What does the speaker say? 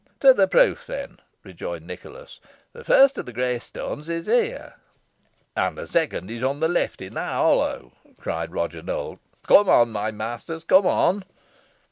"To the proof, then," rejoined Nicholas. "The first of the grey stones is here." "And the second on the left, in that hollow," said Roger Nowell. "Come on, my masters, come on."